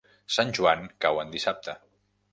Sant Joan cau en dissabte.